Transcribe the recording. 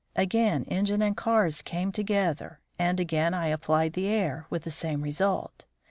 Again engine and cars came together and again I applied the air, with the same result.